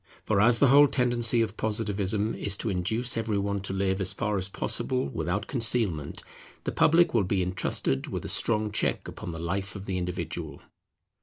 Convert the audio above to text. For as the whole tendency of Positivism is to induce every one to live as far as possible without concealment, the public will be intrusted with a strong check upon the life of the individual.